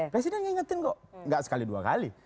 presiden ngeingetin kok gak sekali dua kali